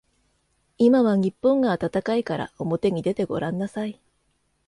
今は日本が暖かいからおもてに出てごらんなさい。